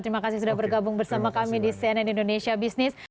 terima kasih sudah bergabung bersama kami di cnn indonesia business